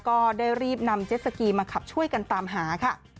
ก็ได้รีบนำเจ็ดสกีมาขับช่วยกันตามหาค่ะ